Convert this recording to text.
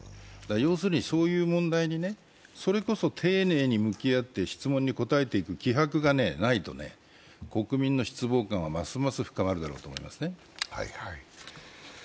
要するにそういう問題にそれこそ丁寧に向き合って質問に答えていく気迫がないと国民の失望感は、ますます深まるだろうと思いますね。